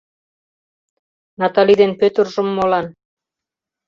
— Натали ден Пӧтыржым молан?